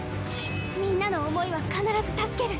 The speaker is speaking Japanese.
みんなの思いは必ず助ける。